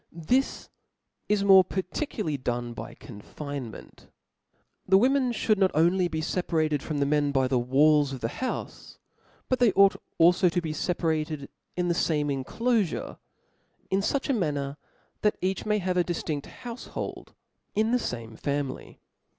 This is more particularly done by confinement. The women (hould not only be feparated from the men by the walls of the houfe ; but they ought alfo to be feparated in the fame inclofure, in fuch a manner that each may have a diftinft houfhold in the fame family.